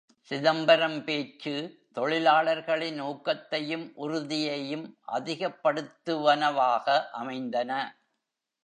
சிதம்பரம் பேச்சு தொழிலாளர்களின் ஊக்கத்தையும் உறுதியையும் அதிகப்படுத்துவனவாக அமைந்தன!